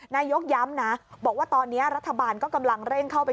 นายกย้ำนะบอกว่าตอนนี้รัฐบาลก็กำลังเร่งเข้าไป